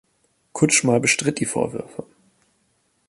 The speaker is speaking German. Kutschma bestritt die Vorwürfe.